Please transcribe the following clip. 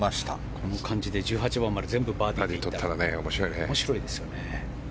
この感じで１８番まで全部バーディーで行ったら面白いですよね。